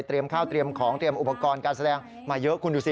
ข้าวเตรียมของเตรียมอุปกรณ์การแสดงมาเยอะคุณดูสิ